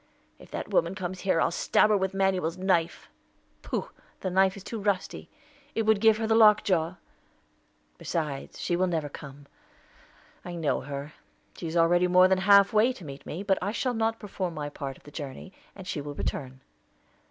If that woman comes here, I'll stab her with Manuel's knife." "Pooh! The knife is too rusty; it would give her the lockjaw. Besides, she will never come. I know her. She is already more than half way to meet me; but I shall not perform my part of the journey, and she will return."